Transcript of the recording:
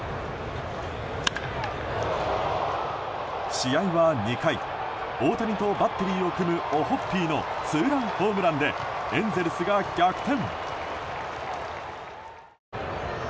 試合は２回大谷とバッテリーを組むオホッピーのツーランホームランでエンゼルスが逆転。